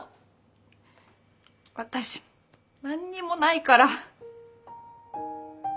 私何にもないから。